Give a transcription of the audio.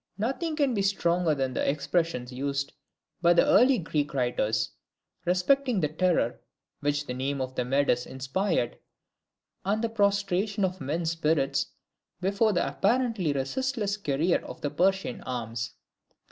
Nothing can be stronger than the expressions used by the early Creek writers respecting the terror which the name of the Medes inspired, and the prostration of men's spirits before the apparently resistless career of the Persian arms.